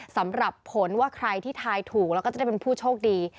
สำหรับผลว่าใครที่ทายถูกแล้วก็จะได้เป็นผู้โชคดี